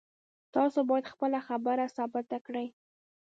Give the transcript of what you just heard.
تاسو باید خپله خبره ثابته کړئ